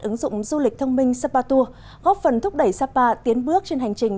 ứng dụng du lịch thông minh sapa tour góp phần thúc đẩy sapa tiến bước trên hành trình